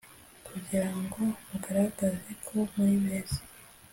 kugira ngo mugaragaze ko muri beza